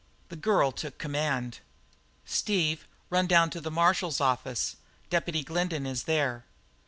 The girl took command. "Steve, run down to the marshal's office; Deputy Glendin is there."